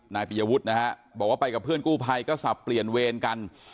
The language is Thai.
ปียวุฒินะฮะบอกว่าไปกับเพื่อนกู้ภัยก็สับเปลี่ยนเวรกัน